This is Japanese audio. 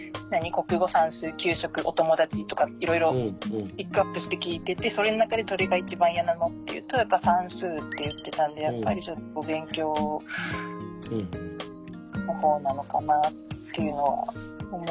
国語算数給食お友達とかいろいろピックアップして聞いてて「それの中でどれが一番嫌なの？」って言うとやっぱ「算数」って言ってたんでやっぱりちょっとお勉強の方なのかなっていうのは思う。